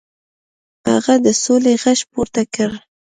هغه د سولې غږ پورته کړ.